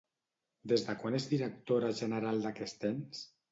Des de quan és directora general d'aquest ens?